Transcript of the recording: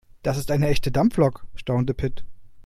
Das ist eine echte Dampflok, staunte Pit.